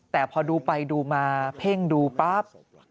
แต่พอดูไปดูมาเพ่งดูปั๊บ